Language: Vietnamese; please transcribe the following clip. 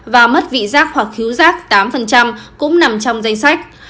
và mất vị giác hoặc khiếu giác tám cũng nằm trong danh sách